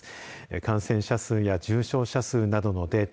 感染者数や重症者数などのデータ